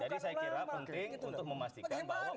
jadi saya kira penting untuk memastikan bahwa umat ini